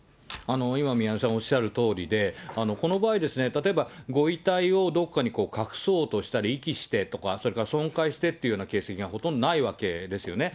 今、宮根さんおっしゃるとおりで、この場合、例えば、ご遺体をどこかに隠そうとしたり、遺棄してとか、それから損壊してという形跡がほとんどないわけですよね。